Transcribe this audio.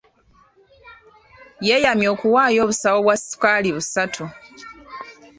Yeeyamye okuwaayo obusawo bwa ssukaali busatu.